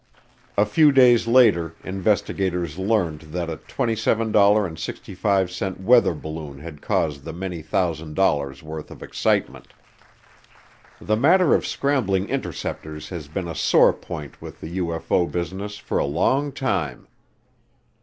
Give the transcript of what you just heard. A few days later investigators learned that a $27.65 weather balloon had caused the many thousand dollars' worth of excitement. The matter of scrambling interceptors has been a sore point with the UFO business for a long time.